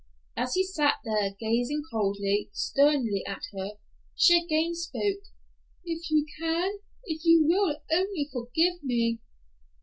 As he sat there, gazing coldly, sternly at her, she again spoke, "If you can, if you will only forgive me."